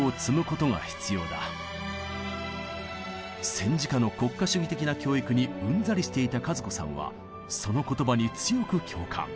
戦時下の国家主義的な教育にうんざりしていた和子さんはその言葉に強く共感。